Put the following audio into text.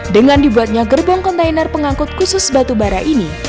dengan dibuatnya gerbong kontainer pengangkut khusus batu bara ini